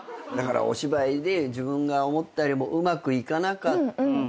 お芝居で自分が思ったよりもうまくいかなかったとか。